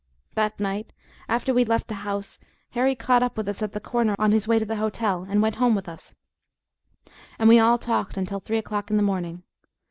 That night, after we'd left the house, Harry caught up with us at the corner on his way to the hotel, and went home with us, and we all talked until three o'clock in the morning.